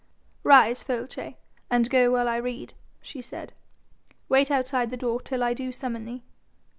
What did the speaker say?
"Rise, Folces, and go while I read," she said; "wait outside the door till I do summon thee."